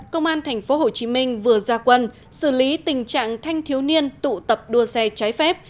công an tp hcm vừa ra quân xử lý tình trạng thanh thiếu niên tụ tập đua xe trái phép